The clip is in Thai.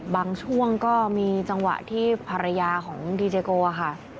บางช่วงก็มีจังหวะที่ภรรยาของดีเจโกค่ะ